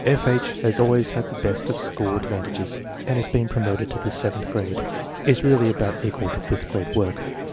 F. H. has always had the best of school advantages and has been promoted to the seventh grade. Is really about equal to fifth grade work.